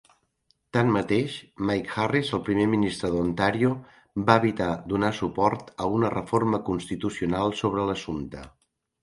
Tanmateix, Mike Harris, el primer ministre d'Ontàrio va evitar donar suport a una reforma constitucional sobre l'assumpte.